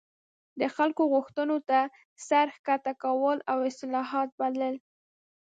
د خلکو غوښتنو ته سر ښکته کول او اصلاحات بلل.